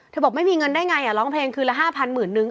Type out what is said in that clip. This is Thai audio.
บอกไม่มีเงินได้ไงร้องเพลงคืนละ๕๐๐๐นึง